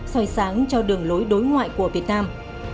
soi sáng cho đường lối đối ngoại của việt nam